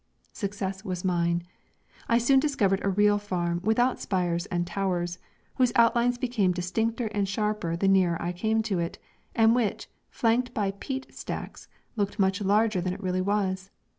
Success was mine; I soon discovered a real farm without spires and towers, whose outlines became distincter and sharper the nearer I came to it, and which, flanked by peat stacks, looked much larger than it really was.